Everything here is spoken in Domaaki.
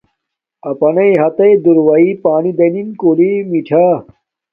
اݵیݳ ہَتَݳ دݸئی پݳنݵ دݵنِن کُلݵ مِٹھݳ.